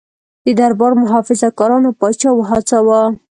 د دربار محافظه کارانو پاچا وهڅاوه.